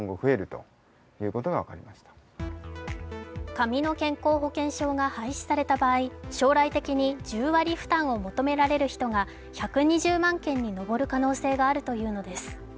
紙の健康保険証が廃止された場合、１０割負担を求められる人が１２０万件に上る可能性があるというのです。